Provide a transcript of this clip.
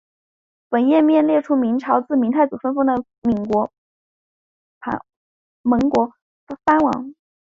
本页面列出明朝自明太祖分封的岷国藩王。